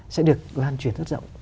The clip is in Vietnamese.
sẽ được lan truyền rất rộng